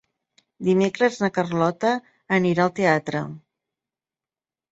Dimecres na Carlota anirà al teatre.